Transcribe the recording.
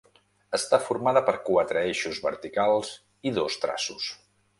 Està formada per quatre eixos verticals i dos traços.